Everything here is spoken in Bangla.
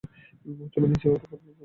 তুমিই নিজের ওপর বিপদ বয়ে আনো।